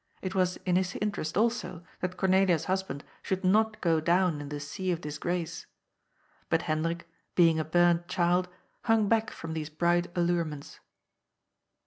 It was in his interest also that Cornelia's husband should not go down in the sea of disgrace. But Hendrik, being a burnt child, hung back from these bright allurements.